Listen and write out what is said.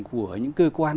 của những cơ quan